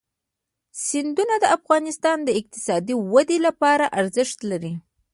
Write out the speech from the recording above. سیندونه د افغانستان د اقتصادي ودې لپاره ارزښت لري.